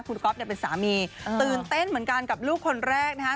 คุณก๊อฟเนี่ยเป็นสามีตื่นเต้นเหมือนกันกับลูกคนแรกนะฮะ